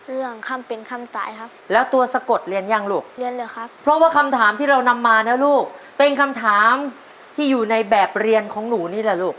เรื่องคำเป็นคำตายครับ